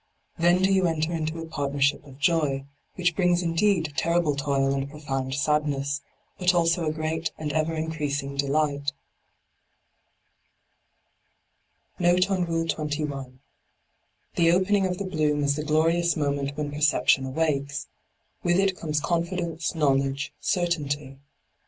Then do you enter into a partnership of joy, which brings indeed terrible toil and profound sadness, but also a great and ever increasing delight. JVofe on Rule 21. — The opening of the bloom is the glorious moment when percep tion awakes: with it comes confidence^ knowledge, certainty.